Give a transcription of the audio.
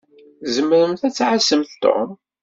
Tzemṛemt ad tɛassemt Tom?